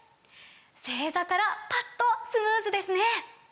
正座からパッとスムーズですね！